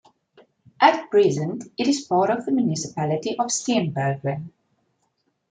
At present it is part of the municipality of Steenbergen.